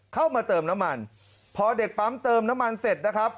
เข้ามาเติมน้ำมันพอเด็กปั๊มเติมน้ำมันเสร็จนะครับ